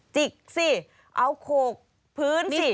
จิกสิเอาโขกพื้นสิ